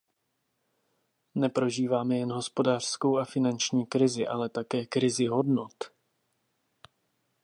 Neprožíváme jen hopsodářskou a finanční krizi, ale také krizi hodnot.